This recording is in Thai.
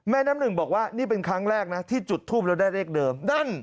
น้ำหนึ่งบอกว่านี่เป็นครั้งแรกนะที่จุดทูปแล้วได้เลขเดิม